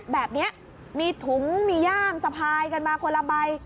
แบบนี้มีถุงมีย่ามสะพายกันมาคนละใบ